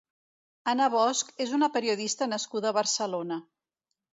Anna Bosch és una periodista nascuda a Barcelona.